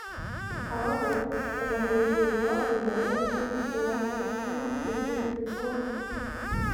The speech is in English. However, the members worked well together and produced a radical plan for church reform.